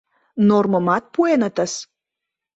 Нормымат пуэнытыс!..